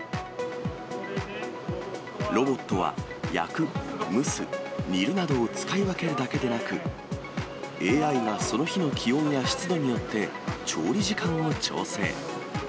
ロボットは焼く、蒸す、煮るなどを使い分けるだけでなく、ＡＩがその日の気温や湿度によって、調理時間を調整。